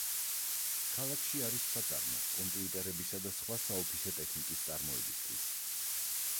ქალაქში არის საწარმო კომპიუტერებისა და სხვა საოფისე ტექნიკის წარმოებისთვის.